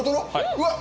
うわっ！